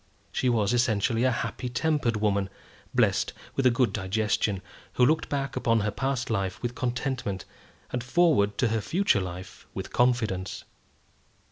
She was essentially a happy tempered woman, blessed with a good digestion, who looked back upon her past life with contentment, and forward to her future life with confidence.